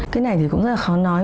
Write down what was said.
cái này thì cũng rất là khó nói